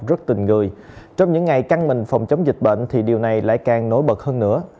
rất tình người trong những ngày căng mình phòng chống dịch bệnh thì điều này lại càng nối bật hơn nữa